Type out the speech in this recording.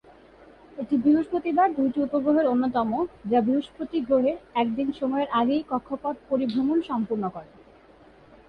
এটি বৃহস্পতির দুইটি উপগ্রহের অন্যতম, যা বৃহস্পতি গ্রহের একদিন সময়ের আগেই কক্ষপথ পরিভ্রমণ সম্পূর্ণ করে।